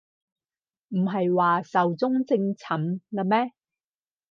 唔係話壽終正寢喇咩